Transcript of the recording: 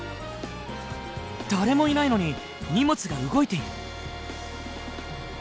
誰もいないのに荷物が動いている。